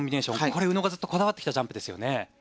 これ、宇野がずっとこだわってきたジャンプですね。